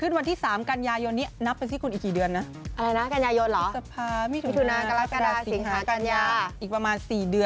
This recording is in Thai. เขาเพิ่งจีบกันมัน